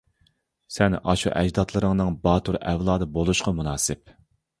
سەن ئاشۇ ئەجدادلىرىڭنىڭ باتۇر ئەۋلادى بولۇشقا مۇناسىپ.